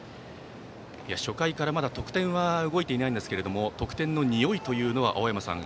初回からまだ得点は動いていないんですが得点のにおいは、青山さん